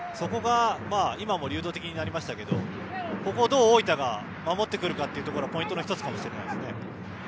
今も流動的になりましたけどどう大分が守ってくるかがポイントの１つかもしれないです。